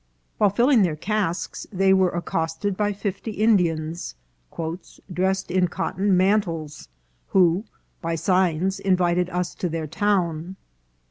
While filling their casks they were accost ed by fifty Indians, " dressed in cotton mantles," who " by signs invited us to their town."